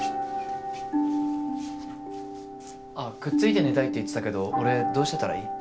くっついて寝たいって言ってたけど俺どうしてたらいい？